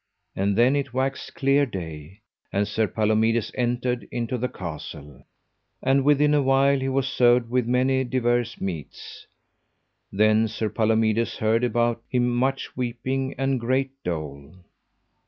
And then it waxed clear day, and Sir Palomides entered into the castle. And within a while he was served with many divers meats. Then Sir Palomides heard about him much weeping and great dole.